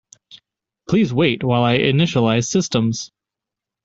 Please wait while I initialize systems!